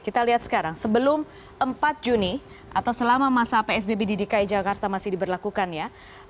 kita lihat sekarang sebelum empat juni atau selama masa psbb di dki jakarta masih diberlakukan ya